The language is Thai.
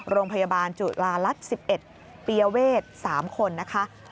โรงพยาบาลจุฬารัฐ๑๑ปียเวท๓คนนะคะ